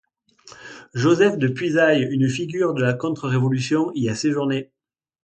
Joseph de Puisaye, une figure de la contre-révolution, y a séjourné.